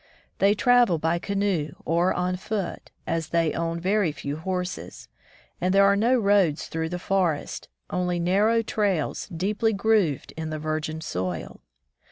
They travel by canoe or on foot, as they own very few horses, and there are no roads through the forest — only narrow trails, deeply grooved in the virgin soil.